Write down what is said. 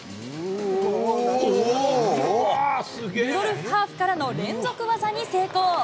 ルドルフハーフからの連続技に成功。